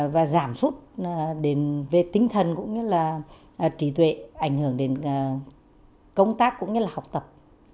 và giảm sút về tinh thần cũng như là trí tuệ ảnh hưởng đến công tác cũng như là học tập